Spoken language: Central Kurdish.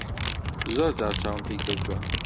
زۆر جار چاوم پێی کەوتووە.